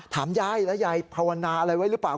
ถามยายแล้วยายภาวนาอะไรไว้หรือเปล่า